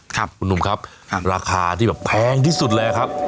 ครับคุณหนุ่มครับราคาที่แบบแพงที่สุดเลยครับ